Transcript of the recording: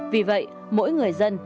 vì vậy mỗi người dân